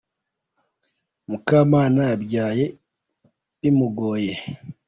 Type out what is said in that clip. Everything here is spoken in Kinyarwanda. Mukamana yabyaye bimugoye.